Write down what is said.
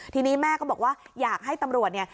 ทีนี้แม่ก็บอกว่าอยากให้ตำรวจเนี่ย